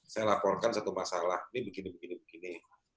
saya laporkan satu masalah ini begini begini